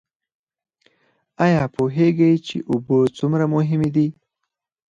ایا پوهیږئ چې اوبه څومره مهمې دي؟